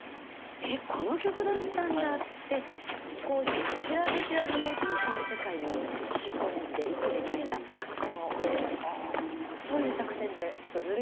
えっこの曲だったんだ」ってこう知らず知らずのうちにその世界に引き込んでいくみたいな作戦を。